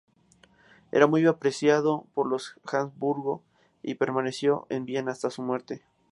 Era muy apreciado por los Habsburgo, y permaneció en Viena hasta su muerte.